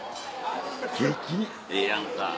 ええやんか。